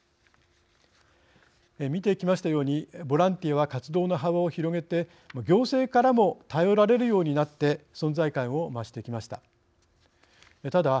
見てきましたようにボランティアは活動の幅を広げて行政からも頼られるようになって存在感を増してきました。